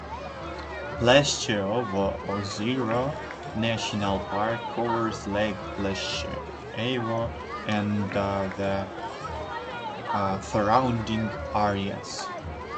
Pleshcheyovo Ozero National Park covers Lake Pleshcheyevo and the surrounding areas.